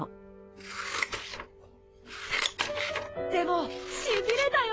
でもしびれたよ